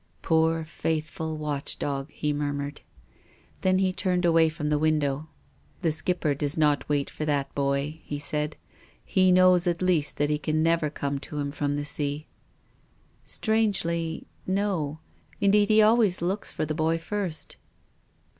" Poor faithful watch dog," he murmured. Then he turned away from the window. " The Skipper docs not wait for that boy," he said. "He knows at least that he can never come to him from the sea." "Strangely — no. Indeed, he always looks for the boy first."